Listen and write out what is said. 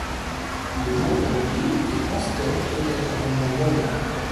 Le nombre d'unités en stock peut être un nombre moyen.